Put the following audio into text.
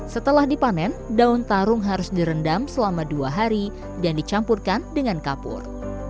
setelah dipanen daun tarung harus direndam selama dua hari dan dicampurkan dengan kapur